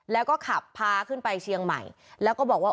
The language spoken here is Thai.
แล้วก็ขับพาขึ้นไปเชียงใหม่แล้วก็บอกว่า